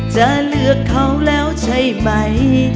จะเลือกเขาแล้วใช่ไหม